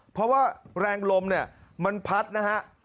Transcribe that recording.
เพราะว่าแรงลมมันพัดนะฮะ